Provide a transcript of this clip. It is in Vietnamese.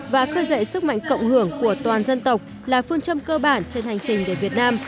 và khơi dậy sức mạnh cộng hưởng của toàn dân tộc là phương châm cơ bản trên hành trình để việt nam